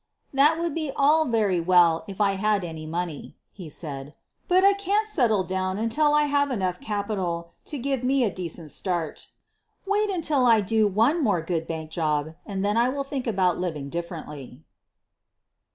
1 ' That would be all very well if I had any money, '' he said ; "but I can't settle down until I have enough capital to give me a decent start. Wait until I do one more good bank job and then I will think about living differently.